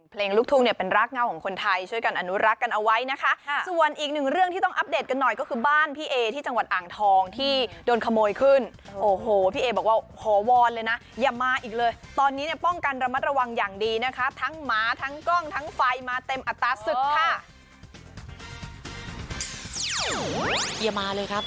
ลูกทุ่งเนี่ยเป็นรากเงาของคนไทยช่วยกันอนุรักษ์กันเอาไว้นะคะส่วนอีกหนึ่งเรื่องที่ต้องอัปเดตกันหน่อยก็คือบ้านพี่เอที่จังหวัดอ่างทองที่โดนขโมยขึ้นโอ้โหพี่เอบอกว่าขอวอนเลยนะอย่ามาอีกเลยตอนนี้เนี่ยป้องกันระมัดระวังอย่างดีนะคะทั้งหมาทั้งกล้องทั้งไฟมาเต็มอัตราศึกค่ะ